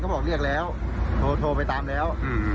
บอกเรียกแล้วโทรไปตามแล้ว